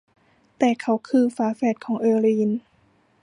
แต่เขาคือ ฝาแฝดของเอลลีน